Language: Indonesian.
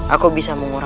aku tidak peduli